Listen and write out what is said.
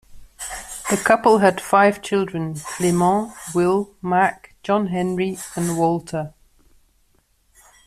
The couple had five children: Clement, Will, Mack, John Henry, and Walter.